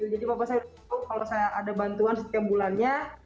jadi papa saya udah tau kalau saya ada bantuan setiap bulannya